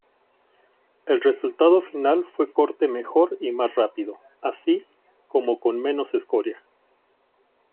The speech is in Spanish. El resultado final fue corte mejor y más rápido, así como con menos escoria.